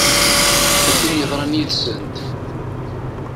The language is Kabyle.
A tin yeḍran yid-sent!